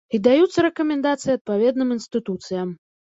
І даюцца рэкамендацыі адпаведным інстытуцыям.